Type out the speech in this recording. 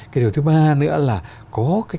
cái điều thứ ba nữa là có cái